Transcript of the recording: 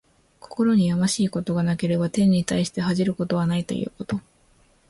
心にやましいことがなければ、天に対して恥じることはないということ。